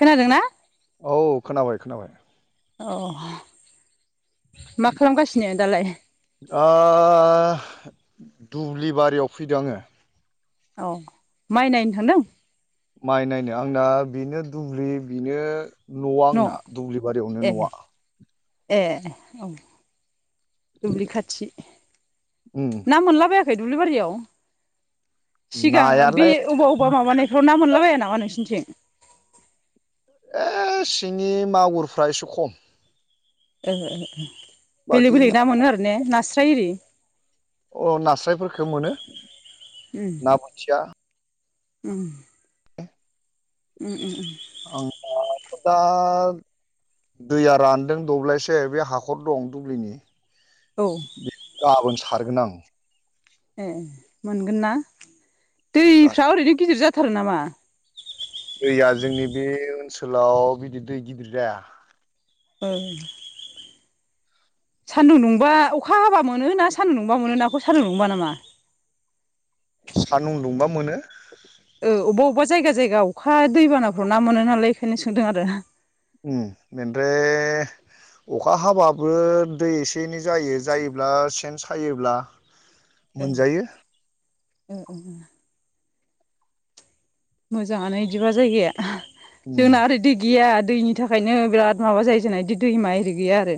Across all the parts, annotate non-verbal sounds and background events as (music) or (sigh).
खोनादोंना? औ खोनाबाय खोनाबाय। अ अ दुब्लि बारियाव फैदों आङो औ माइ नायनो थांदों? माइ नायनो आं दा बेनो दुब्लि बेनो न'आ न' आंना दुब्लि बारियावनो ए न'आ ए औ। दुब्लि खाथि उम ना मोनलाबायाखै दुब्लि बारियाव सिगां बे नायालाय अबेबा अबेबा माबानायफ्राव ना मोनलाबाया नामा नोंसिोरनिथिं? ए सिंनि मागुरफ्रा एसे खम। ए-ए-ए बेलेग बेलेग ना मोनो आरो ने नास्राय एरि? अ नास्रायफोरखौ मोनो ना बोथिया। उओ ओ ओ ओ। (unintelligible) दा दैया रानदों दब्लायसे बे हाखर दं दुब्लिनि औ गाबोन सारगोन आं। ए मोनगोन ना दैफ्रा ओरैनो गिदिर जाथारो नामा? दैया जोंनि बे ओनसोलाव बिदि दै गिदिर जाया। औ। सान्दुं दुंबा अखा हाबा मोनो ना सान्दुं दुंबा मोनो नाखौ सान्दुं दुंबा नामा? सानदुं दुंबा मोनो। ओ अबा अबा जायगा जायगा अखा दैबानाफ्राव ना मोनो नालाय बेखायनो सोंदों आरो। ओ बे (unintelligible) अखा हाबाबो दै एसे एनै जायो जायोब्ला सेन सायोब्ला ओ मोनजायो। (unintelligible) मोजाङानो इदिबा जायगाया, उम जोंना ओरै दै गैया। दैनि थाखायनो बिराद माबा जायो जोंना बिदि दैमा आरि गैया आरो।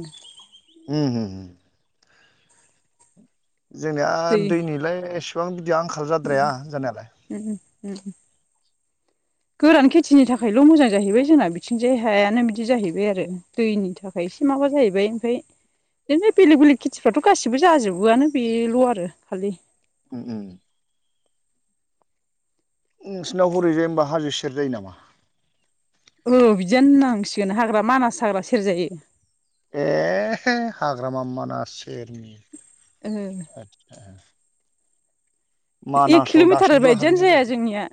उम उह। जोंनिया दै दैनिलाय एसेबां बिदि आंखाल जाद्राया जानायालाय। उम उम। गोरान खेथिनि थाखायल' मोजां जाहैबाय जोंना बिथिंजाय हायानो बिदि जाहैबाय आरो दैनि थाखाय एसे माबा जाहैबाय ओमफाय बिदिनो बेलेग बेलेग खेथिफ्राथ' गासिबो जाजोबोआनो बेल' आरो खालि उम‌। नोंसिनाव हरैजाय होमबा हाजो सेर जायो नामा? औ बिदियानो होननांसिगोन हाग्रा मानास हाग्रा सेर जायो। एह हाग्रामा मानास सेरनि ओ (unintelligible) एक मानासाव किलमिटार दासिमबो बायदियानो हाबहैनाय जाया जायाखै जोंनिया।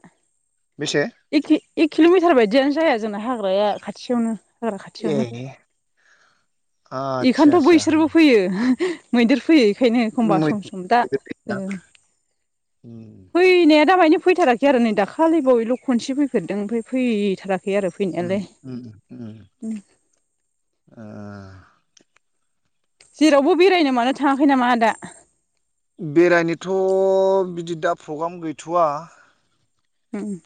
बेसे एक एक किल'मिटार बायदियानो जाया जोंना हाग्राया खाथि खाथियावनो हाग्रा खाथियावनो। ए आदसा बेखायनोथ' आदसा बैसोरबो फैयो मैदेर फैयो। बेखायनो एखमबा मै सम सम दा मैदेर ओ गैया? उम फैनाया दामानि फैथाराखै आरो नै दाखालि बावैल' खनसे फैफेरदों ओमफ्राय फैथाराखै। आरो फैनायालाय (unintelligible) आ जेरावबो बेरायनो मानो थाङाखै नामा आदा? बेरायनोथ' बिदि दा प्रग्राम गैथ'वा। हम।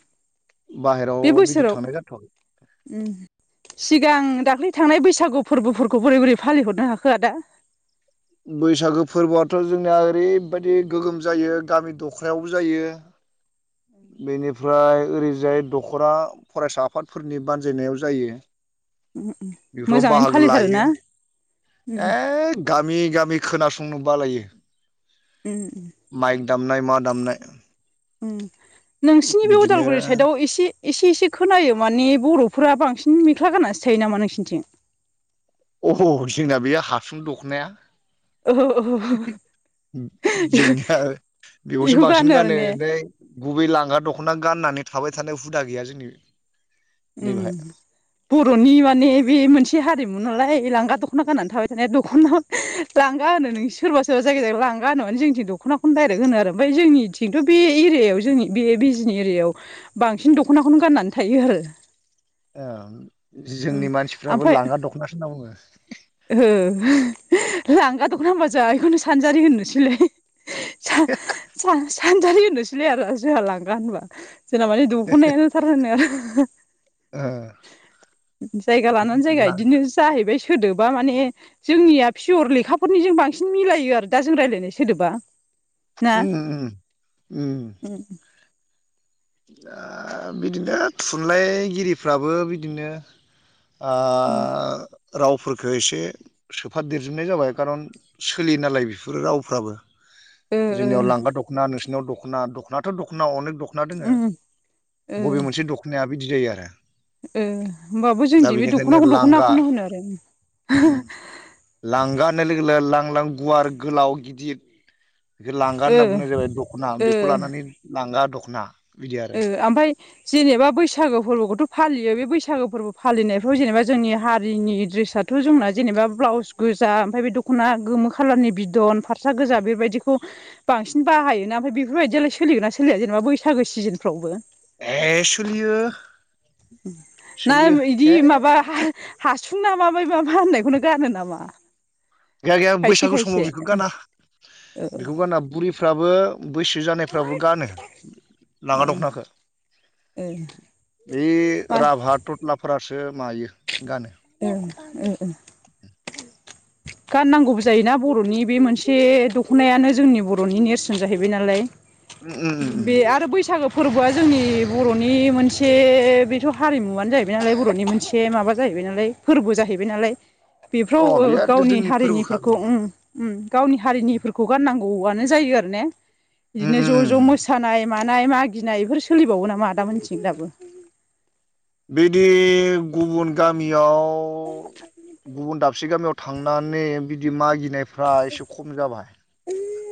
बाहेराव बिदि थांनाय जाथ'वाखै। उमह। सिगां दाख्लै थांनाय बैसागु फोरबोफोरखौ बोरै बोरै फालि हरनो हाखो आदा? बैसागो फोरबोआथ' जोंनिया ओरैबायदि गोगोम जायो गामि दख्रायावबो जायो। बेनिफ्राय ओरैजाय दखरा फरायसा आफादफोरनि बानजायनायाव जायो। बेफोराव मोजाङैनो बाहागो लायो। फालिथारोना उम एग गामि गामि खोनासंनो बालायो। उम। माइक दामनाय मा दामनाय उम नोंसिनि बे बिदिनो अदालगुरि साइदआव एसे एसे एसे खोनायो माने बर'फोरा बांसिन मेख्ला गाननासो थायो नामा नोंसोरनिथिं? अह जोंना बे हासुं दख'नाया। (unintelligible) जोंनिया बेखौसो बेखौ बांसिन आरो गानो ने ओमफ्राय गुबै लांगा दखना गाननानै थाबाय थानाय हुदा गैया जोंनि उम नैबेहाय बर'नि माने बे मोनसे हारिमु नालाय बे लांगा दखना गाननानै थाबाय थानाया दखना लांगा होनो नों सोरबा सोरबा जायगायाव लांगा होनोब जोंथिं दख नाखौनो डाइरेक्ट होनो आरो ओमफाय जोंनिथिं थ बे एरियायाव जों बे बिजनि एरियाव बांसिन दखना खौनो गाननानै थायो आरो औ जोंनि मानसिफ्राबो ओमफ्राय लांगा दखनासो होनना बुङो ओ लांगा दखना होनबा जा इखौनो सानजारि होननोसैलाय सान सान सानजारि होनोसैलाय आरो जोहा लांगा‌ होनबा जोंना मानि दखनायानोथार होनो आरो ओ जायगा लानानै जायगा ला इदिनो जाहैबाय सोदो बा माने जोंनिया पियर लेखाफोरनिजों बांसिन मिलायो आरो दा जों रायलायनाय सोदोबा ना उम उम उम ओ आ बिदिनो थुनलाइगिरिफ्राबो बिदिनो ओ रावफोरफोरखौ एसे सोफादेरजोबनाय जाबाय खारन सोलियो नालाय बेफोरो रावफ्राबो ओ जोंनियाव लांगा दखना नोंसिनियाव दखना दखनाथ दखना अनेक दखना दोङो ओ बबे मोनसे दखनाया बिदि जायो आरो ओह होमबाबो दा जोंदि बे बेनिखायनो दखनाखौनो लांगा दखनाखौनो होनो आरो उम लांगा होननाय लोगो लोगो लां लां गुवार गोलाव गिदिर बेखौ लांगा ओ होनना बुंनाय जाबाय दखना ओ बेखौ ओ लानानै लांगा दखना बिदि आरो ओ आमफाय जेनेबा बैसागो फोरबोखौथ फालियो बे बैसागो फोरबो फालिनायफ्राव जेनेबा जोंनि हारिनि द्रेसाथ' जोंना जेनबा ब्लाउस गोजा ओमफ्राय बे दखना गोमो खालारनि बिदन फारसा गोजा बेबादि बेखौ बांसिन बाहायोना ओमफाय बेफोरबाय‌ दियालाय सोलिगोना सोलिया जेनेबा बैसागो सिजोनफ्रावबो एह सोलियो ना सोलियो इदि ए माबा हाह हासुं ना माबाय मा फा होननायखौनो गानो नामा गैया गैया खायसे बैसागु खायसे समाव बेखौ गाना ओ बेखौ गाना बुरिफ्राबो बैसो जानायफ्राबो गानो ओ लांगा दखनाखो ओ बे मा राभा थथ्लाफोरासो मायो गानो ओं ओं (inaudible) गाननांगौबो जायोना बरनि बे मोनसे दखनायानो जोंनि बरनि नेरसोन जाहैबाय नालाय उम उम बे उम आरो बैसागो फोरबोआ जोंनि बरनि मोनसे बेथ' हारिमुआनो जाहैबाय नालाय बरनि मोनसे माबा जाहै हैबाय नालाय फोरबो जाहैबाय नालाय बेफ्राव अ ओ बे आरो गावनि जोंनि फोरबोखा हारिनिफोरखौ बेयो उम उम गावनि हारिनिफोरखौ गान नांगौआनो जायो आरो ने बिदिनो उम ज' उम ज' उम मोसानाय मानाय मागिनाय बेफोर सोलिबावो नामा आदा मोननिथिं दाबो? बिदि गुबुन गामियाव गुबुन दाबसे (inaudible) गामियाव थांनानै बिदि मागिनायफ्रा एसे खम जाबाय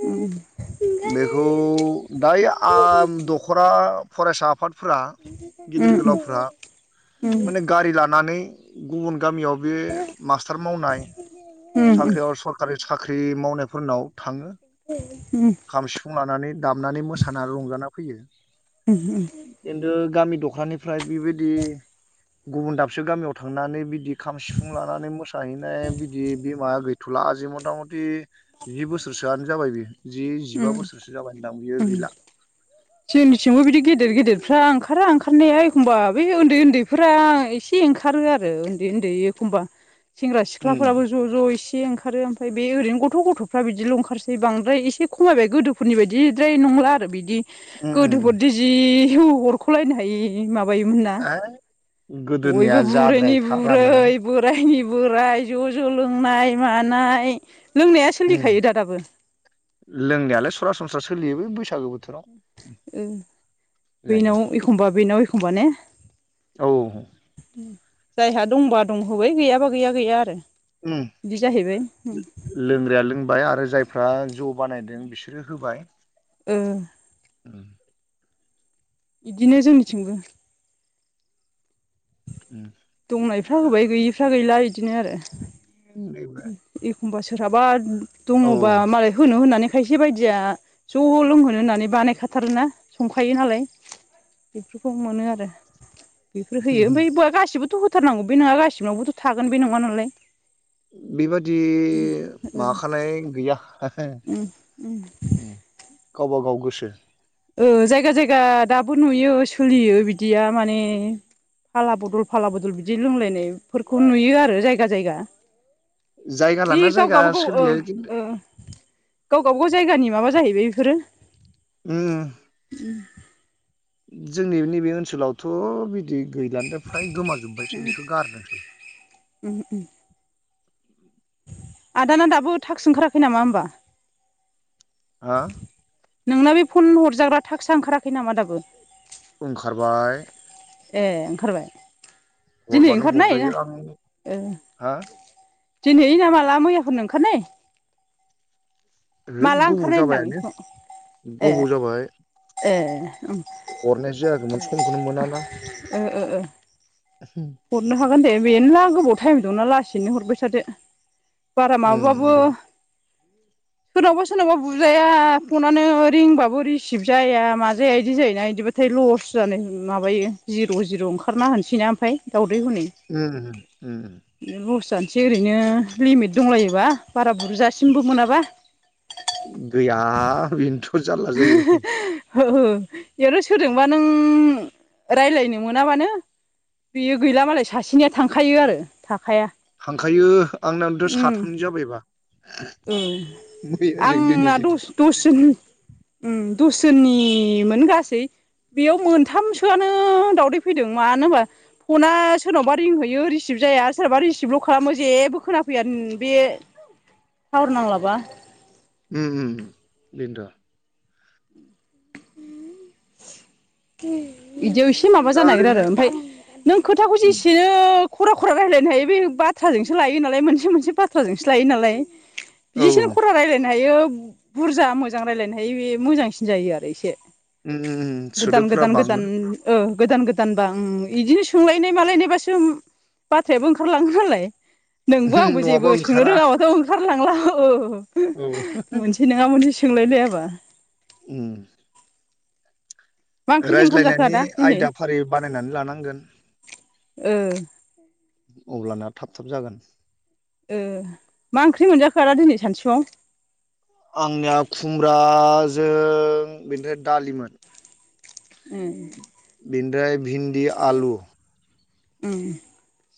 उम बेखौ दायो आं दख'रा फरायसा आफाद फ्रा गिदिर गोलावफ्रा उम माने गारि लानानै गुबुन गामियाव बे मास्टार मावनाय उम उम साख्रियाव सरकारि साख्रि मावनायफोरनाव थाङो। (inaudible) खाम सिफुं लानानै दामनानै मोसानानै रंजाना फैयो। उम उम खिन्थु गामि दख'रानिफ्राय बेबायदि गुबुन दाबसे गामियाव थांनानै बिदि खाम सिफुं लानानै मोसाहैनाय बिदि बिमाया गैथ'ला आजि मथा मथि जि बोसोरसोआनो जाबाय बि जि जिबा बोसोरसो जाबाय होनदां बियो उम गैला। जोंनिथिंबो बिदि गेदेर गेदेरफ्रा ओंखारा ओंखारनाया एखमबा बे उन्दै उन्दैफोरा एसे ओंखा रो आरो उन्दै उन्दै एखमबा सेंग्रा उम सिख्लाफोराहो ज' ज' एसे ओंखारो ओमफ्राय बे ओरैनो गथ' गथ'फ्रा बिदिल' ओखारसै बांद्राय एसे खमायबाय गोदोफोरनि बायदिद्राय नंला आरो बिदि उम उम गोदोफोरदि जि हरख'लायनो हायि माबायोमोन ना बयबो गोदोनिया बुरैनि जाद्रायथारामोन बुरै बोरायनि बोराय ज' ज' लोंनाय मानाय लोंनाया सोलिखायो उम दा दाबो सोलियोलै बे बैसागो बोथोराव उम जायो बेनाव एखमबा बेनाव एखमबा ने औ जायहा दंबा दं होबाय गैयाबा गैया गैया आरो उम बिदि जाहैबाय लोंग्राया लोंबाय आरो जाय फ्रा जौ बानायदों बिसोरो होबाय। ओ उम बिदिनो जोंनिथिंबो उम दंनायफ्रा दा होबाय गैयिफ्रा गैला बिदिनो आरो (inaudible) होमबा सोरहाबा औ दङबा मालाय होनो होननानै खायसे बायदिया ज' लोंहोनो होननानै बानायखाथारोना संखायो नालाय। बेफोरखौ मोनो आरो। बेफोर होयो ओमफ्राय गासिबोथ' होथारनांगौ बे नङा गासिनावबोथ' थागोन बे नङा नालाय। बेबादि ओ माखानाय गैया उम उम गावबा गाव गोसो औ जायगा जायगा दाबो नुयो सोलियो बिदिया माने फाला बदल फाला बदल बिदि लोंलायनायफोरखौ नुयो आरो जायगा जायगा। जायगा (unintelligible) ओ ओ लाना जायगा गाव सोलियो खिन्थु गावबा गाव जायगानि माबा जाहैबाय बेफोरो उम जोंनि नैबे ओनसोलावथ' बिदि गैलानोदे फ्राय गोमाजोबबायसै बेखौ गारदोंसै। उम आदाना दाबो थाक्स ओंखाराखै नामा होमबा? हा? नोंना बे फन हरजाग्रा थागसा ओंखाराखै नामा दाबो? ओंखारबाय ए ओंखारबाय दिनै हरबानो ओंखारनाय हरजायो ना आं ओ हा दिनै ना माला मैयाफोरनो ओंखारनाय रोद माला गोबाव ओंखारनाय होनदां जाबायानो बेखौ ए गोबाव जाबाय ए हरनायसो जायाखैमोन समखौनो मोनाना ओ ओ ओ उम हरनो हागोन दे बेनोला गोबाव टाइम दंना लासैनो हरबाय थादो बारा माबा बाबो उम सोरनावबा सोरनावबा बुजाया फनानो रिंबाबो रिसिभ जाया माजाया बिदि जायोना इदिब नाथाय लस जानाय माबायो जिर' जिर' ओंखारना होनसैना ओमफफ्राय रैहनै उम लस जानो एसे ओरैनो लिमिट दंलायोबा बारा बुरजासिमबो मोनाबा गैया बेनोथ' जारला जायो ओ ओ बेयावनो सोरोजोंबा नों रायलायनो मोनाबानो बेयो गैला मालाय सासेनिया थांखायो आरो थाख थांखायो आंनथ' साथामनि जाबायबा औ मैयाजों आंना दिनैजों दस दसजोन उम दस जननिमोन गासै बेयाव मोनथामसोआनो दावदै फैदों मानो होनबा फना सोरनावबा रिंहयो रिसिभ जाया आरो सोरबा रिसिभल' खालामो जेबो खोनाफै या उम बे टावार नांलाबा उम होम होम बेन्थ' इदियाव एसे माबा दा जानो नागिरो आरो ओरैनो ओमफ्राय नों खोथाखौ उम जेसेनो खरा खरा रायज्लायनो हायो बे बाथ्राजोंसो लायो नालाय मोनसे मोनसे बाथ्राजोंसो लायो नालाय औ बिसिनो खरा रायज्लायनो हायो बुरजा मोजां रायजलायनो हायो बे मोजांसिन जायो आरो इसे उम उम उम गोदान सोदोबफोरा गोदान बाङो गोदान ओ गोदान गोदान बा ओं बिदिनो सोंलायनाय मालायनायबासो बाथ्रायाबो ओंखारलाङो नालाय नोंबो आंबो जेबो नङाबा सोंनो ओंखारा रोङाबाथ' ओंखारलांला औ औ मोनसे नङा मोनसे सोंलायलायाबा उम मा ओंख्रिजों ओंखाम जाखो रायज्लायनायनि आदा दिनै आयदा फारि बानायनानै लानांगोन ओ अब्लाना थाब थाब जागोन ओ मा ओंख्रि मोनजाखो आदा दिनै सानसुआव आंनिया खुमब्राजों बेनिफ्राय दालिमोन उम बेनिफ्राय भिन्दि आलु उम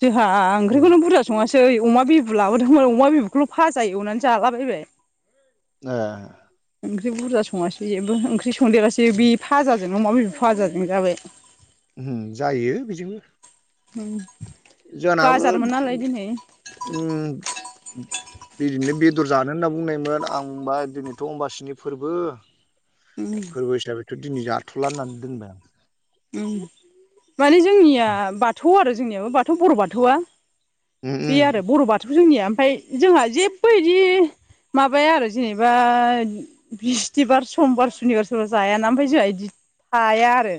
जोंहा ए ओंख्रिखौनो बुरजा सङासै दैै अमा बिबु लाबोदोंमोन अमा बिबुखौल' फाजा एवनानै जालाबायबाय ओ ओंख्रि बुरजा सङासै जेबो ओंख्रि संदेरासै बे फाजों अमा बेदर फाजों जाबाय उम जायो बेजोंबो (inaudible) जानाबो बाजारमोन नालाय दिनै उम बिदिनो बेदर जानो होनना बुंनायमोन आं होनबा दिनैथ' अमबासिनि फोरबो उम फोरबो हिसाबैथ' दिनै जाथ'ला होननानै दोनबाय आं उम माने जोंनिया बाथौ आरो जोंनियाबो बाथौ बर' बाथौआ उम बे उम आरो बर' बाथौखौ जोंनिया ओमफाय जोंहा जेबो इदि माबाया आरो जेनेबा बिस्थिबार समबार सुनिबार सोरबा जायाना ओमफ्राय जोंहा इदि हाया आरो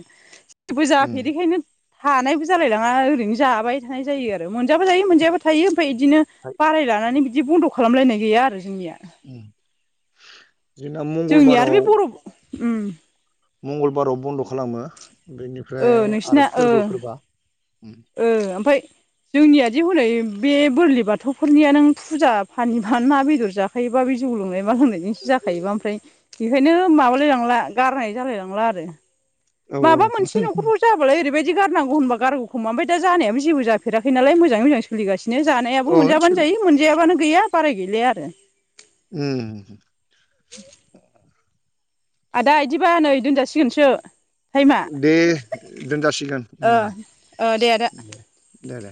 बो उम जाफेरैखायनो हानायबो जालायलाङा ओरैनो जाबाय थानाय जायो आरो मोनजाबो जायो मोनजायाबो थायो ओमफ्राय बिदिनो फाय बाराय लानानै बिदि बन्द' खालामलायनाय गैया आरो जोंनिया उम जोंना जोंनि आरो मंगलबाराव बे बर' उम मंगलबाराव बन्द' खालामो ओ बेनिफ्राय नोंसिना आरो ओ फोरबो फोरबा उम ओ ओमफाय जोंनियादि हनै बे बोरलि बाथौफोरनिया नों फुजा फानिबानो ना बेदर जाखायो बा बे जौ लोंनाय मा लोंनायजोंसो जाखायोबा ओमफ्राय बेखायनो माबालायलांला गारनाय जालायलांला आरो औ माबा मोनसे न'खरफोर जाबालाय ओरैबायदि बिदि गारांगौ होनबा गारगौ खा ओम द जानायाब जेबो जाफेराखै नाल मजै मज सलिासिनो बिदिनो जानायाबो औ सोल मोनजाबानो जायो मोनजायाबानो गैया बाराय गैलाया आरो उम (inaudible) आदा बिदिबा नै दोनजासिगोनसो। टाइमा दे दोनजासिगोन ओ ओ आदा दे। दे दे।